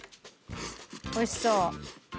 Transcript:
おいしそう。